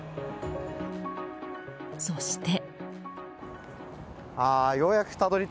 そして。